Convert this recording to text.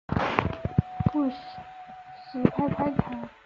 不时拍拍她